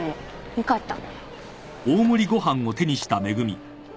分かった。